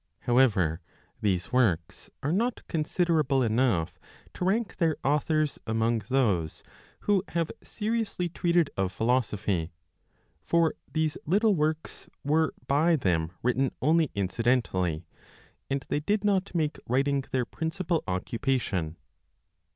However, these works are not considerable enough to rank their authors among those who have seriously treated of philosophy; for these little works were by them written only incidentally, and they did not make writing their principal occupation.